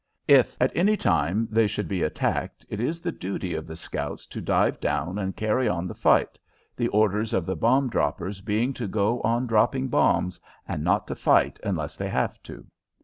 If at any time they should be attacked, it is the duty of the scouts to dive down and carry on the fight, the orders of the bomb droppers being to go on dropping bombs and not to fight unless they have to.